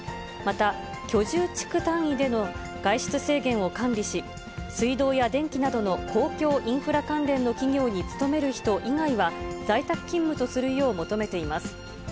また、居住地区単位での外出制限を管理し、水道や電気などの公共インフラ関連の企業に勤める人以外は、在宅勤務とするよう求めています。